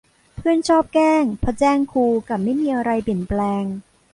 เพื่อนชอบแกล้งพอแจ้งครู กลับไม่มีอะไรเปลี่ยนแปลง